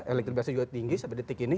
elektribasinya juga tinggi sampai detik ini